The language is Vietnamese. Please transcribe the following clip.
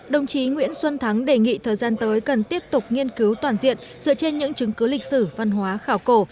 đồng chí nguyễn xuân thắng đề nghị thời gian tới cần tiếp tục nghiên cứu toàn diện dựa trên những chứng cứ lịch sử văn hóa khảo cổ